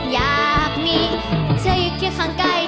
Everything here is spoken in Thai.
อยากมีเธออยู่เคียงข้างใกล้